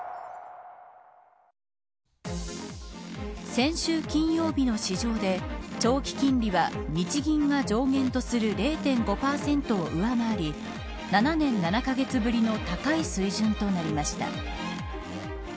先週金曜日の市場で長期金利は日銀が上限とする０．５％を上回り７年７カ月ぶりの高い水準となりました。